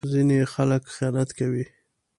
ځینې خلک خیانت کوي.